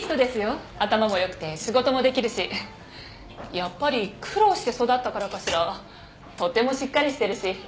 やっぱり苦労して育ったからかしらとてもしっかりしてるし。